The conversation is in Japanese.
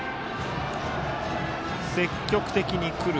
積極的に来る。